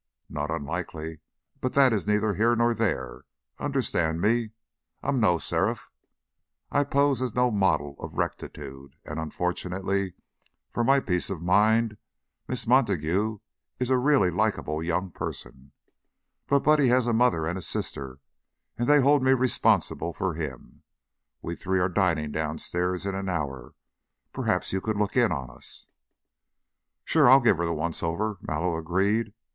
"Not unlikely, but that is neither here nor there. Understand me, I'm no seraph; I pose as no model of rectitude, and, unfortunately for my peace of mind, Miss Montague is a really likable young person. But Buddy has a mother and a sister, and they hold me responsible for him. We three are dining downstairs in an hour; perhaps you could look in on us?" "Sure. I'll give her the once over," Mallow agreed.